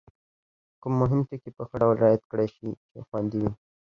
کوم مهم ټکي په ښه ډول رعایت کړای شي چې خوندي وي؟